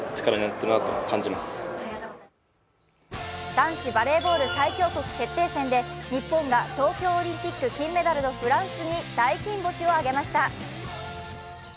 男子バレーボール最強国決定戦で、日本が東京オリンピック金メダルのフランスに大金星を挙げました。